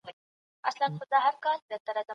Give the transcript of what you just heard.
حیوانان ورته راتلل له نیژدې لیري